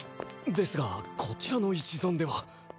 ですがこちらの一存では。